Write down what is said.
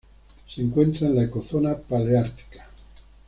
Se encuentra en la ecozona paleártica.